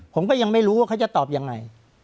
ผมก็ยังไม่รู้ว่าเขาจะตอบยังไง